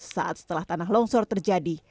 saat setelah tanah longsor terjadi